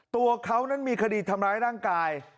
ตัวเขานั้นมีคดีทำร้ายร่างกาย